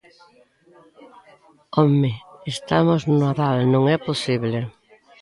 ¡Home!, estamos no Nadal, ¿non é posible?